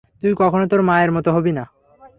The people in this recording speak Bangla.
তুই কখনো তোর মায়ের মতো হবি না।